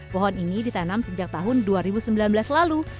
pohon ini ditanam sejak tahun dua ribu sembilan belas lalu